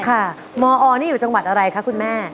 ค่ะมอนี่อยู่จังหวัดอะไรคะคุณแม่